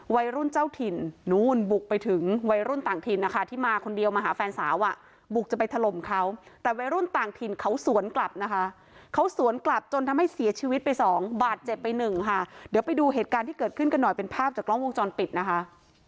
วัยรุ่นเจ้าถิ่นนู่นบุกไปถึงวัยรุ่นต่างถิ่นนะคะที่มาคนเดียวมาหาแฟนสาวอ่ะบุกจะไปถล่มเขาแต่วัยรุ่นต่างถิ่นเขาสวนกลับนะคะเขาสวนกลับจนทำให้เสียชีวิตไปสองบาทเจ็บไปหนึ่งค่ะเดี๋ยวไปดูเหตุการณ์ที่เกิดขึ้นกันหน่อยเป็นภาพจากกล้องวงจรปิดนะคะ